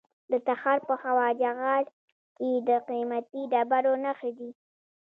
د تخار په خواجه غار کې د قیمتي ډبرو نښې دي.